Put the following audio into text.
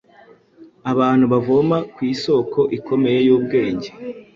Abantu bavoma ku Isoko ikomeye y’ubwenge,